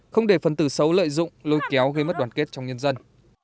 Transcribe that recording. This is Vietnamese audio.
không để phần từ xấu lợi dụng lôi kéo gây mất đoàn kết trong nhân dân